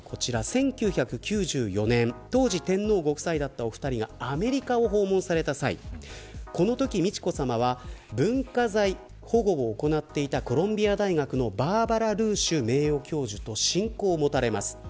１９９４年当時、天皇ご夫妻だったお二人がアメリカを訪問された際このとき美智子さまは文化財保護を行っていたコロンビア大学のバーバラ・ルーシュ名誉教授と親交を持たれます。